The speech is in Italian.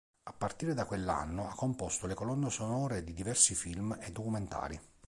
A partire da quell'anno ha composto le colonne sonore di diversi film e documentari.